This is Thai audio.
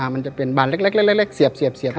มันจะเป็นบานเล็กเสียบ